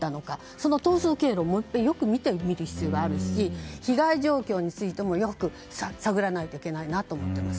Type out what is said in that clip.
その逃走経路をもういっぺんよく見る必要があると思うし被害状況についてもよく探らないといけないと思います。